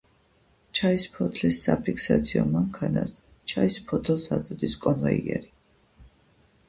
ჩაის ფოთლის საფიქსაციო მანქანას ჩაის ფოთოლს აწვდის კონვეიერი.